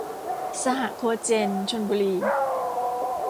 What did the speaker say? สหโคเจน ชลบุรี